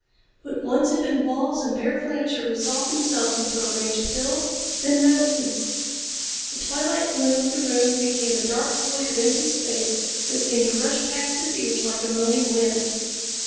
What once had been walls and bare furniture resolved themselves into a range of hills, then mountains. The twilight gloom of the room became a dark void of empty space that seemed to rush past his ears like a moaning wind.